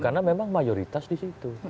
karena memang mayoritas disitu